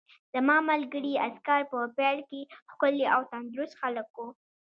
زما ملګري عسکر په پیل کې ښکلي او تندرست خلک وو